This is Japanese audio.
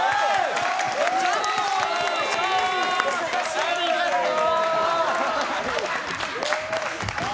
ありがとう！